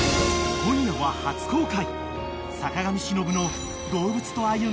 ［今夜は初公開］